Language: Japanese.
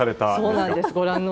そうなんです。